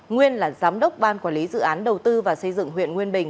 nguyên là giám đốc ban quản lý dự án đầu tư và xây dựng huyện nguyên bình